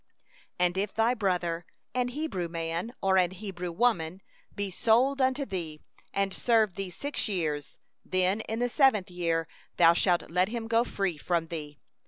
12If thy brother, a Hebrew man, or a Hebrew woman, be sold unto thee, he shall serve thee six years; and in the seventh year thou shalt let him go free from thee.